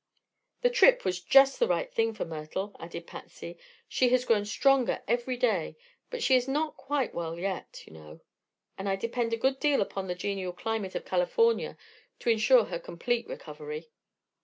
"The trip was just the thing for Myrtle," added Patsy. "She has grown stronger every day; but she is not quite well yet, you know, and I depend a good deal upon the genial climate of California to insure her complete recovery."